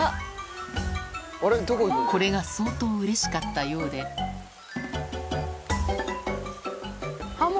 これが相当うれしかったようであっ